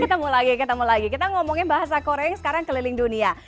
ketemu lagi ketemu lagi kita ngomongin bahasa korea yang sekarang keliling dunia